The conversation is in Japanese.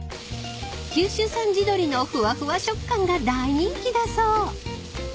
［九州産地鶏のふわふわ食感が大人気だそう］